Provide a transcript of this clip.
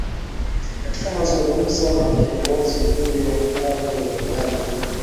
katika mazungumzo na kiongozi huyo mkongwe wa Uganda